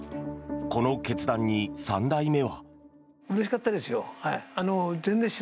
この決断に、３代目は。